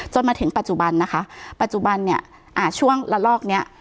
จนถึงปัจจุบันนะคะปัจจุบันเนี่ยอ่าช่วงละลอกเนี้ย